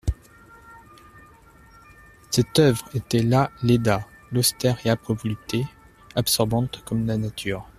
Cette oeuvre était la Léda, l'austère et âpre volupté, absorbante comme la nature.